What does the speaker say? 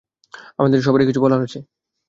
আমাদের সবারই কিছু বলার আছে!